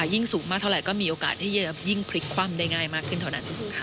ยิ่งสูงมากเท่าไหร่ก็มีโอกาสที่จะยิ่งพลิกคว่ำได้ง่ายมากขึ้นเท่านั้น